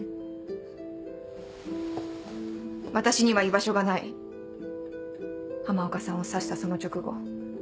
フッ「私には居場所がない」浜岡さんを刺したその直後